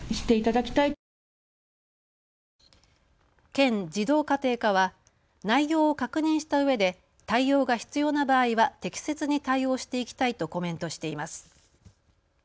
県児童家庭課は内容を確認したうえで対応が必要な場合は適切に対応していきたいとコメントしています。